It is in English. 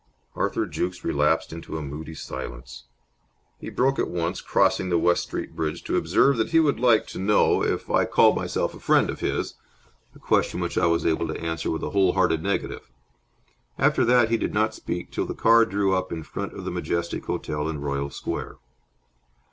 Arthur Jukes relapsed into a moody silence. He broke it once, crossing the West Street Bridge, to observe that he would like to know if I called myself a friend of his a question which I was able to answer with a whole hearted negative. After that he did not speak till the car drew up in front of the Majestic Hotel in Royal Square.